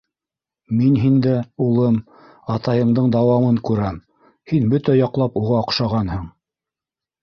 Мин һиндә, улым, атайыңдың дауамын күрәм, һин бөтә яҡлап уға оҡшағанһың.